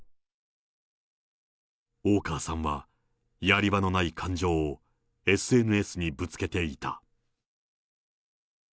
大川さんは、やり場のない感情をＳＮＳにぶつけていた。